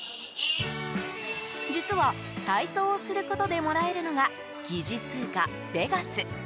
実は、体操をすることでもらえるのが疑似通貨ベガス。